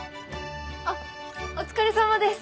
あっお疲れさまです。